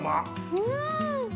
うん！